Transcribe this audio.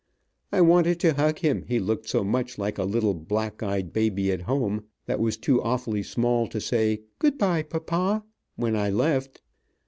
I wanted to hug him, he looked so much like a little black eyed baby at home, that was too awfully small to say "good bye, papa" when I left.